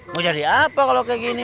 mau jadi apa kalau kayak gini